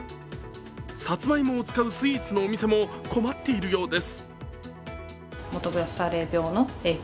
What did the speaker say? サツマイモを使うスイーツのお店も困っているようです。